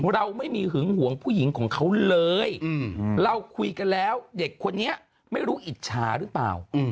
เราไม่มีหึงหวงผู้หญิงของเขาเลยเราคุยกันแล้วเด็กคนนี้ไม่รู้อิจฉาหรือเปล่า